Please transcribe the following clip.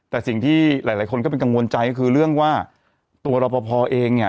แต่สิ่งที่หลายคนก็เป็นกังวลใจก็คือเรื่องว่าตัวรอปภเองเนี่ย